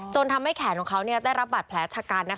ทำให้แขนของเขาได้รับบาดแผลชะกัน